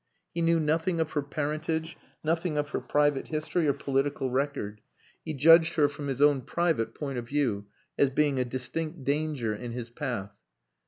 He knew nothing of her parentage, nothing of her private history or political record; he judged her from his own private point of view, as being a distinct danger in his path.